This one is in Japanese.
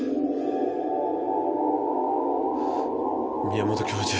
宮本教授